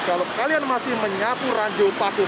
kalau kalian masih menyapu ranjau paku